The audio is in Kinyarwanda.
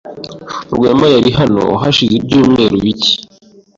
Rwema yari hano hashize ibyumweru bike.